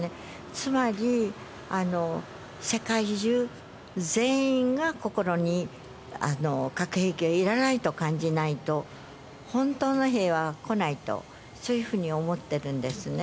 つまり、世界中、全員が心に核兵器はいらないと感じないと、本当の平和は来ないと、そういうふうに思ってるんですね。